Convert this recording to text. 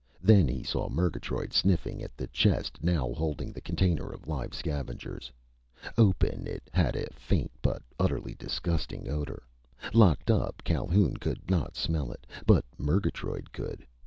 Then he saw Murgatroyd sniffing at the chest now holding the container of live scavengers. Open, it had had a faint but utterly disgusting odor. Locked up, Calhoun could not smell it. But Murgatroyd could.